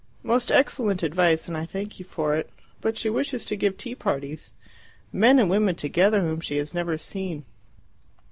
"Most excellent advice, and I thank you for it. But she wishes to give tea parties men and women together whom she has never seen."